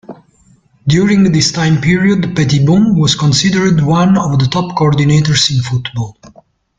During this time period, Petitbon was considered one of the top coordinators in football.